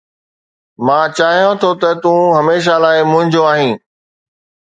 مان چاهيان ٿو ته تون هميشه لاءِ منهنجو آهين.